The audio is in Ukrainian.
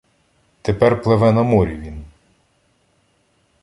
Тепер пливе на морі він.